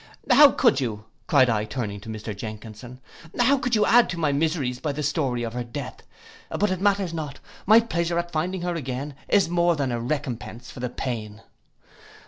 'How could you,' cried I, turning to Mr Jenkinson, 'how could you add to my miseries by the story of her death! But it matters not, my pleasure at finding her again, is more than a recompence for the pain.